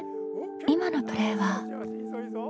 今のプレイは。